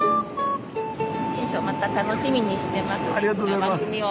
また楽しみにしてます番組を。